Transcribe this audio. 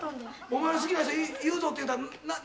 「お前の好きな人言うぞって言うたら泣きよった？」